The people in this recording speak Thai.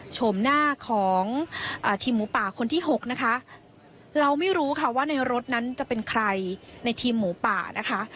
ชมหน้าของทีมหมูป่าคนที่หกนะคะเราไม่รู้ค่ะว่าในรถนั้นจะเป็นใครในทีมหมูป่านะคะ